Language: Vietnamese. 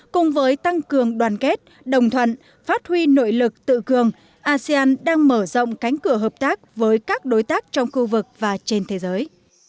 cùng với tăng cường đoàn kết đồng thuận phát huy nội lực tự cường asean đang mở rộng cánh cửa hợp tác với các đối tác trong khu vực và trên thế giới